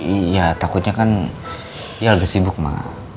iya takutnya kan dia lagi sibuk ma